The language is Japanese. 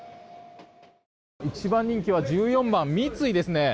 一番人気は１４番、三井ですね。